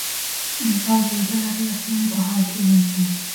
Neskak bere itolarria astindu, eta jaiki egin zen.